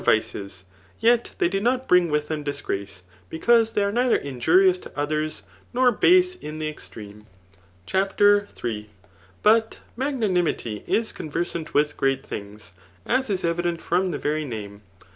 vices ; yet they do not bring with tiiem disgrace, because: they are neither mjurious to others, nor base in the ex treme. CHAPTER in. But magnanimity is conversant with great things, as is evident from the very name.